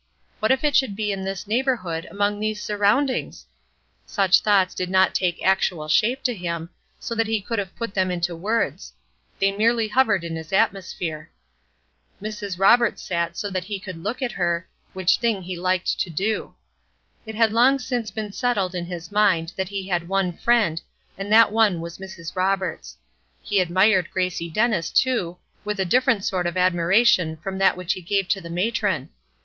What if it should be in this neighborhood, among these surroundings? Such thoughts did not take actual shape to him, so that he could have put them into words; they merely hovered in his atmosphere. Mrs. Roberts sat so that he could look at her, which thing he liked to do. It had long since been settled in his mind that he had one friend, and that one was Mrs. Roberts. He admired Gracie Dennis, too, with a different sort of admiration from that which he gave to the matron.